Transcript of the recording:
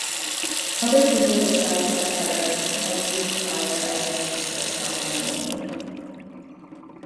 Other people besides the Arabs have used fire as a means of stopping rain.